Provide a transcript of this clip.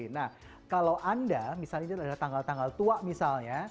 nah kalau anda misalnya tanggal tanggal tua misalnya